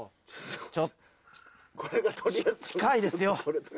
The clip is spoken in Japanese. ちょっ近いですよ。